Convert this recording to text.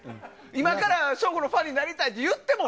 今から省吾のファンになりたいって言っても。